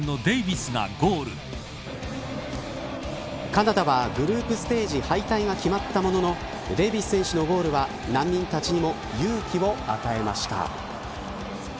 カナダはグループステージ敗退が決まったもののデイヴィス選手のゴールは難民たちにも勇気を与えました。